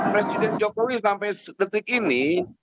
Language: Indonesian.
presiden jokowi sampai detik ini